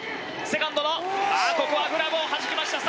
セカンドのここはグラブをはじきました。